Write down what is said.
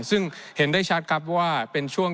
ซึ่งเห็นได้ชัดครับว่าเป็นช่วง